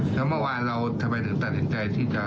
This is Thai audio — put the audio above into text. แล้วเมื่อวานเราทำไมถึงตัดสินใจที่จะ